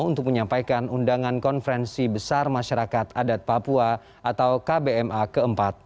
untuk menyampaikan undangan konferensi besar masyarakat adat papua atau kbma ke empat